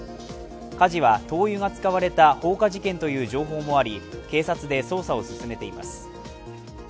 火事は灯油が使われた放火事件という情報もあり、警察で捜査を進めています。